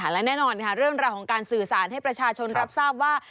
และแน่นอนค่ะเรื่องราวของการสื่อสารให้ประชาชนรับทราบว่า